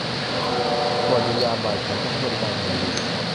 สวัสดียามบ่ายฉันจะให้บริการอย่างไรดี ?